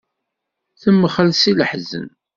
Temxell si leḥzen.